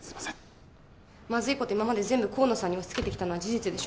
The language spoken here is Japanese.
まずいこと今まで全部甲野さんに押しつけてきたのは事実でしょ